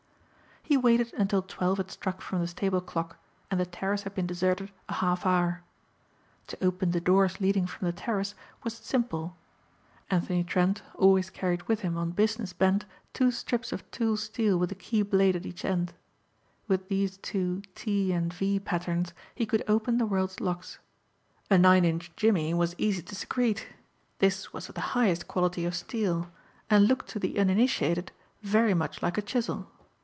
He waited until twelve had struck from the stable clock and the terrace had been deserted a half hour. To open the doors leading from the terrace was simple. Anthony Trent always carried with him on business bent two strips of tool steel with a key blade at each end. With these two "T" and "V" patterns he could open the world's locks. A nine inch jimmy was easy to secrete. This was of the highest quality of steel and looked to the uninitiated very much like a chisel.